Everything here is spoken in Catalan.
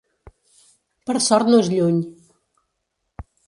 Per sort, no és lluny.